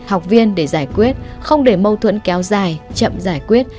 học viên để giải quyết không để mâu thuẫn kéo dài chậm giải quyết